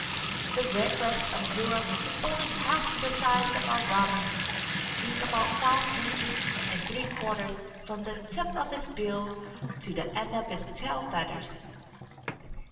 The Redbreast of Europe is only half the size of our robin, being about five inches and three quarters from the tip of its bill to the end of its tail feathers.